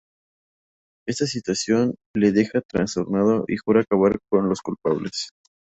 Esta situación le deja trastornado y jura acabar con los culpables.